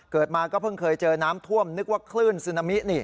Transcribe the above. เกิดมาก็เพิ่งเคยเจอน้ำท่วมนึกว่าคลื่นซึนามินี่